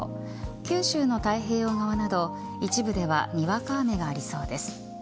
九州の太平洋側など一部ではにわか雨がありそうです。